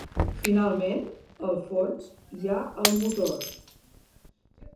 Finalment, al fons, hi ha el motor.